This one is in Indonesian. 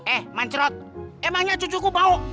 eh mancrot emangnya cucuku bau